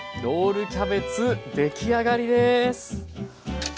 ロールキャベツ出来上がりです。